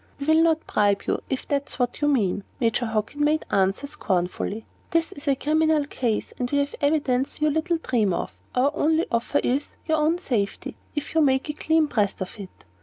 "We will not bribe you, if that is what you mean," Major Hockin made answer, scornfully. "This is a criminal case, and we have evidence you little dream of. Our only offer is your own safety, if you make a clean breast of it.